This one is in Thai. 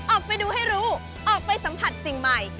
ออกไปดูให้รู้ออกไปสัมผัสสิ่งใหม่